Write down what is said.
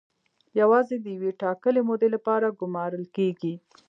یوازې د یوې ټاکلې مودې لپاره ګومارل کیږي.